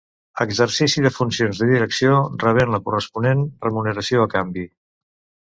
Exercici de funcions de direcció rebent la corresponent remuneració a canvi.